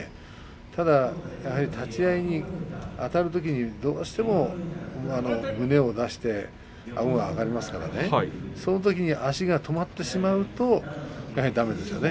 ただ立ち合いにあたるときにどうしても胸を出してあごが上がりますからねそのときに足が止まってしまうとやはり、だめですね。